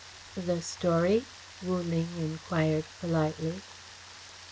"The story?" Wu Ling enquired politely.